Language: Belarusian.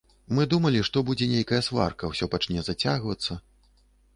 Мы думалі, што будзе нейкая сварка, усё пачне зацягвацца.